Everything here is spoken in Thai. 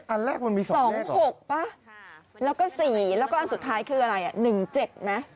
อันแรกมันมี๒๖ป่ะแล้วก็๔แล้วก็อันสุดท้ายคืออะไร๑๗ไหม